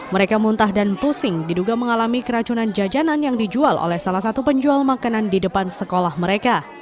mereka muntah dan pusing diduga mengalami keracunan jajanan yang dijual oleh salah satu penjual makanan di depan sekolah mereka